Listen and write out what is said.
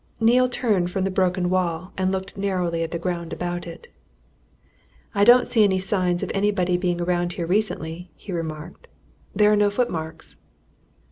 Neale turned from the broken wall and looked narrowly at the ground about it. "I don't see any signs of anybody being about here recently," he remarked. "There are no footmarks."